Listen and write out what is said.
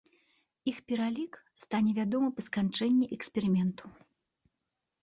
Іх пералік стане вядомы па сканчэнні эксперыменту.